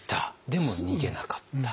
でも逃げなかった。